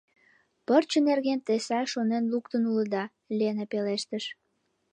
— Пырче нерген те сай шонен луктын улыда, — Лена пелештыш.